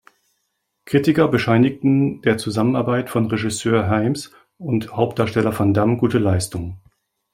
Kritiker bescheinigten der Zusammenarbeit von Regisseur Hyams und Hauptdarsteller Van Damme gute Leistungen.